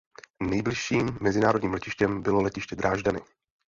Nejbližším mezinárodním letištěm bylo letiště Drážďany.